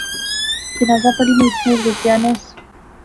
جنازہ پڑھی میں ایتھیں رکیا نہس